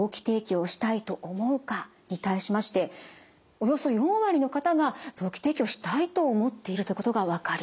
およそ４割の方が臓器提供したいと思っているということが分かりました。